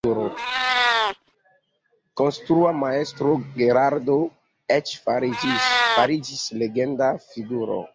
Konstrua Majstro Gerardo eĉ fariĝis legenda figuro.